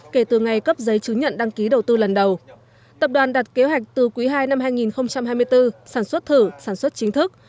kể từ ngày cấp giấy chứng nhận đăng ký đầu tư lần đầu tập đoàn đặt kế hoạch từ quý ii năm hai nghìn hai mươi bốn sản xuất thử sản xuất chính thức